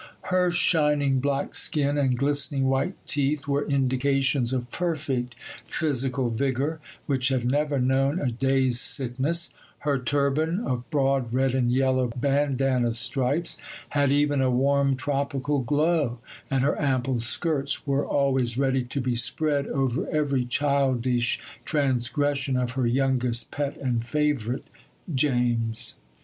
Her shining black skin and glistening white teeth were indications of perfect physical vigour which had never known a day's sickness; her turban, of broad red and yellow bandanna stripes, had even a warm tropical glow; and her ample skirts were always ready to be spread over every childish transgression of her youngest pet and favourite, James.